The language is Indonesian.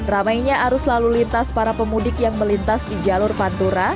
ramainya arus lalu lintas para pemudik yang melintas di jalur pantura